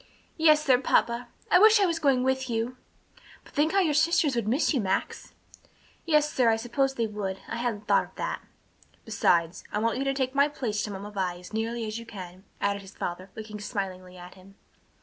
"Yes, sir. Papa, I wish I was going with you!" "But think how your sisters would miss you, Max." "Yes, sir, I suppose they would. I hadn't thought of that." "Besides, I want you to take my place to Mamma Vi as nearly as you can," added his father, looking smilingly at him.